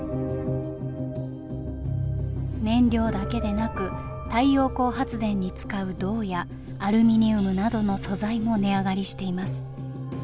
燃料だけでなく太陽光発電に使う銅やアルミニウムなどの素材も値上がりしています。